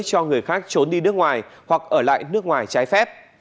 cho người khác trốn đi nước ngoài hoặc ở lại nước ngoài trái phép